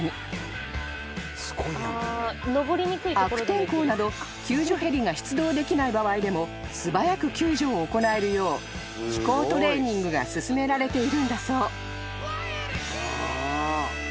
［悪天候など救助ヘリが出動できない場合でも素早く救助を行えるよう飛行トレーニングが進められているんだそう］